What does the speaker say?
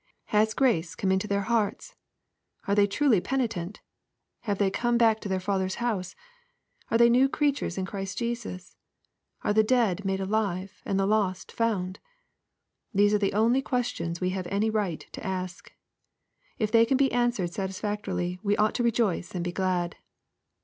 —*' Has grace come into their hearts ? Are they truly penitent ? Have they come back to their father's house ? Arie they new creatures in Christ Jesus ? AretEe dead made alive and the lost found ?"— These are the. only questions we have any right to ask. If they can be answered satisfactorily we ought to rejoice and be glad.